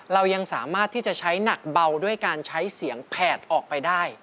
เรายังสามารถที่จะใช้หนักเบาด้วยการใช้เสียงแผดออกไปได้